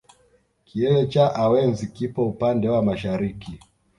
Kilele cha awenzi kipo upande wa mashariki